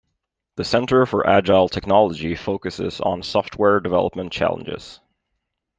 The Center for Agile Technology focuses on software development challenges.